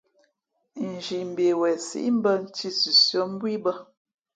Nzhi mbe wen síʼmbᾱ nthī sʉsʉά mbú ī bᾱ.